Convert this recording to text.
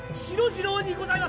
次郎にございます！